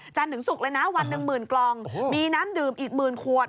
ถึงศุกร์เลยนะวันหนึ่งหมื่นกล่องมีน้ำดื่มอีกหมื่นขวด